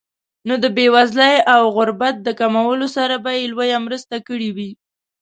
نو د بېوزلۍ او غربت د کمولو سره به یې لویه مرسته کړې وي.